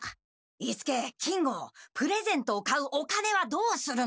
伊助金吾プレゼントを買うお金はどうするの？